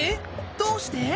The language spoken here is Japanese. どうして？